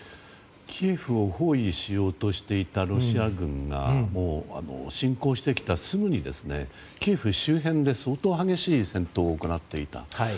キーウを包囲しようとしていたロシア軍が侵攻してきたすぐにキーウ周辺で相当激しい戦闘を行っていた。